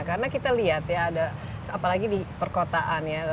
karena kita lihat ya ada apalagi di perkotaan ya